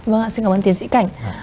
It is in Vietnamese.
vâng ạ xin cảm ơn tiến sĩ cảnh